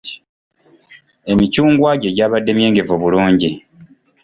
Emicungwa gye gyabadde myengevu bulungi.